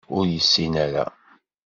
Ur yessin ara.